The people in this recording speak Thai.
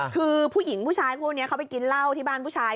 คือผู้หญิงผู้ชายคู่นี้เขาไปกินเหล้าที่บ้านผู้ชาย